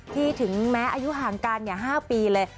ถึงแม้อายุห่างกัน๕ปีเลย